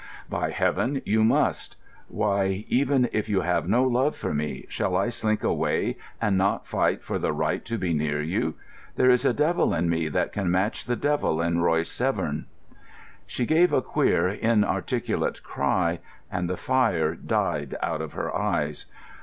"By Heaven, you must! Why, even if you have no love for me, shall I slink away and not fight for the right to be near you! There is a devil in me that can match the devil in Royce Severn." She gave a queer, inarticulate cry, and the fire died out of her eyes.